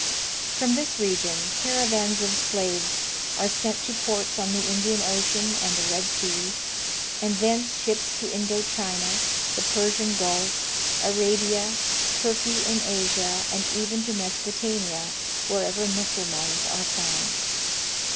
From this region caravans of slaves are sent to ports on the Indian Ocean and the Red Sea, and thence shipped to Indo China, the Persian Gulf, Arabia, Turkey in Asia, and even to Mesopotamia, wherever Mussulmans are found.